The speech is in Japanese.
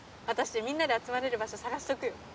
私みんなで集まれる場所探しとくよ。